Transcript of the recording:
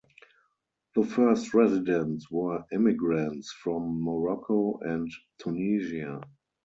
The first residents were immigrants from Morocco and Tunisia.